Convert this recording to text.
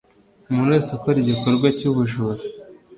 umuntu wese ukora igikorwa cy ubujura